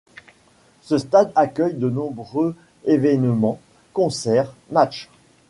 Ce stade accueille de nombreux évènements, concerts, matchs.